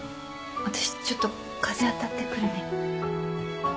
私ちょっと風当たってくるね。